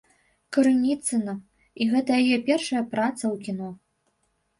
Крыніцына, і гэта яе першая праца ў кіно.